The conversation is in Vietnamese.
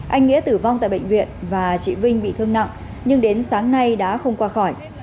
anh nghĩa tử vong tại bệnh viện và chị vinh bị thương nặng nhưng đến sáng nay đã không qua khỏi